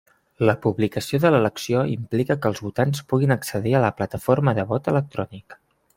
La publicació de l'elecció implica que els votants puguin accedir a la plataforma de vot electrònic.